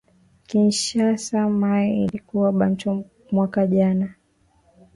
Kinshasa mayi iliuwa batu mwaka jana